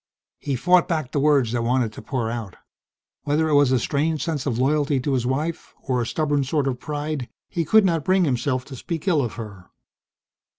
He fought back the words that wanted to pour out. Whether it was a strange sense of loyalty to his wife, or a stubborn sort of pride, he could not bring himself to speak ill of her.